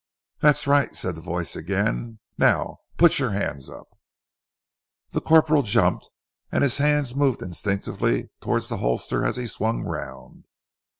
"That's right," said the voice again. "Now put your hands up." The corporal jumped and his hands moved instinctively towards the holster as he swung round.